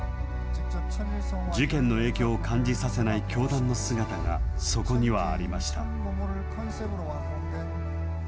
事件の影響を感じさせない教団の姿が、そこにはありました。